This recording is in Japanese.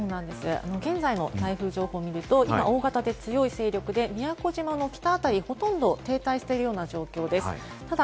現在の台風情報を見ると大型で強い勢力で宮古島の北辺り、ほとんど停滞しているような状況です。